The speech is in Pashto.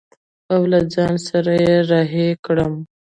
او له ځان سره يې رهي کړم.